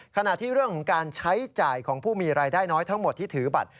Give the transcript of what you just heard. ขณะที่เรื่องของการใช้จ่ายของผู้มีรายได้น้อยทั้งหมดที่ถือบัตร